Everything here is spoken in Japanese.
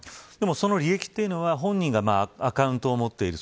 その履歴というのは本人がアカウントを持っている。